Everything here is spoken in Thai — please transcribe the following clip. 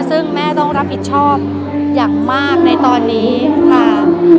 ซึ่งแม่ต้องรับผิดชอบอย่างมากในตอนนี้ค่ะ